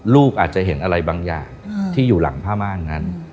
ลูกอาจจะเห็นอะไรบางอย่างที่อยู่หลังผ้าม่านนั้น